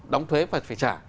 đóng thuế và phải trả